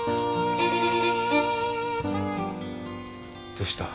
どうした？